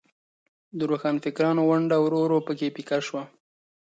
د روښانفکرانو ونډه ورو ورو په کې پیکه شوه.